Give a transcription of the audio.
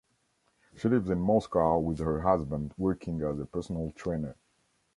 She lives in Moscow with her husband, working as a personal trainer.